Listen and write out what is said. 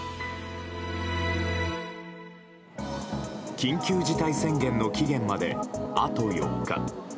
緊急事態宣言の期限まであと４日。